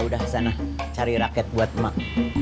ya udah sana cari raket buat emak